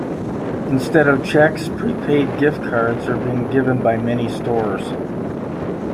Instead of cheques, prepaid gift cards are being given by many stores.